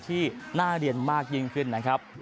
ที่น่าเรียนมากยิ่งขึ้นนะครับ